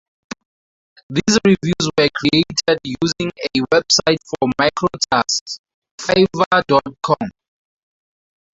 These reviews were created using a website for microtasks, Fiverr dot com.